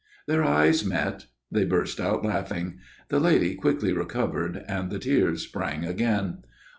Their eyes met. They burst out laughing. The lady quickly recovered and the tears sprang again.